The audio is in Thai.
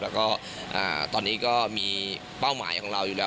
แล้วก็ตอนนี้ก็มีเป้าหมายของเราอยู่แล้ว